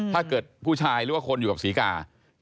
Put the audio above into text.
ถ้าเกิดผู้ชายหรือว่าคนอยู่กับศรีกา